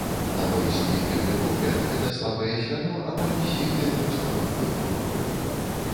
На мой суб'ектыўны погляд, гэта слабае звяно амаль усіх беларускамоўных гуртоў.